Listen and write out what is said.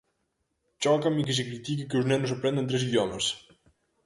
Chócame que se critique que os nenos aprendan tres idiomas.